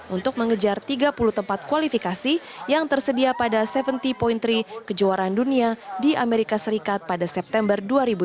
untuk mengejar tiga puluh tempat kualifikasi yang tersedia pada tujuh puluh tiga kejuaraan dunia di amerika serikat pada september dua ribu tujuh belas